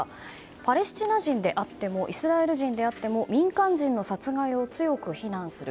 パレスチナ人であってもイスラエル人であっても民間人の殺害を強く非難する。